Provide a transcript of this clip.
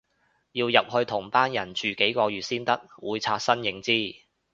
要入去同班人住幾個月先得，會刷新認知